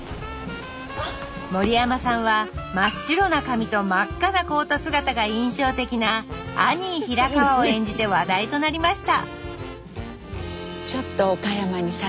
森山さんは真っ白な髪と真っ赤なコート姿が印象的なアニー・ヒラカワを演じて話題となりました